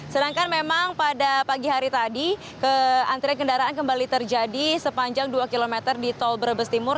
sedangkan memang pada pagi hari tadi antrian kendaraan kembali terjadi sepanjang dua km di tol brebes timur